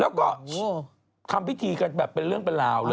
แล้วก็ทำพิธีกันแบบเป็นเรื่องเป็นราวเลย